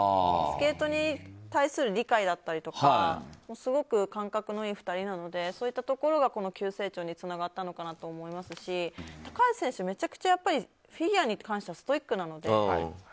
スケートに対する理解だったりすごく感覚のいい２人なのでそういったところがこの急成長につながったのかなと思いますし高橋選手、めちゃくちゃフィギュアに関してはストイックなので。